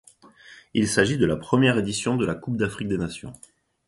Il s'agit de la première édition de la Coupe d'Afrique des nations.